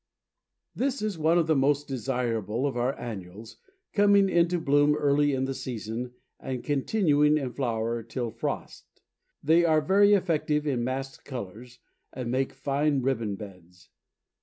This is one of the most desirable of our annuals, coming into bloom early in the season and continuing in flower till frost. They are very effective in massed colors, and make fine ribbon beds.